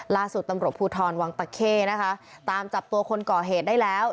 ล่าสุดตำรวจภูทรวังตะเข้นะคะตามจับตัวคนก่อเหตุได้แล้ว